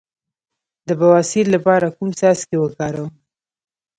د بواسیر لپاره کوم څاڅکي وکاروم؟